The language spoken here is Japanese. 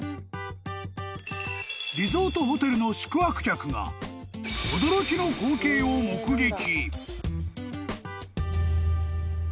［リゾートホテルの宿泊客が驚きの光景を目撃］